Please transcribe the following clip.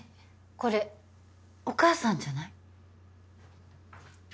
これお母さんじゃない？